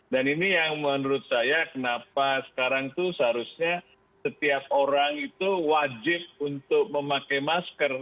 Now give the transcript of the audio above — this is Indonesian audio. dan ini yang menurut saya kenapa sekarang itu seharusnya setiap orang itu wajib untuk memakai masker